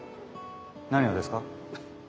何がですか？